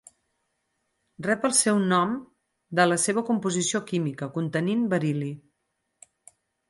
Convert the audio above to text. Rep el seu nom de la seva composició química, contenint beril·li.